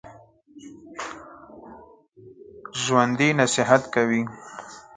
ژوندي نصیحت کوي